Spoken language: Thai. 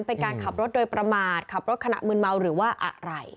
เป็นการขับรถโดยประมาทขับรถขณะมืนเมาหรือว่าอะไร